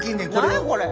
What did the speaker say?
何やこれ！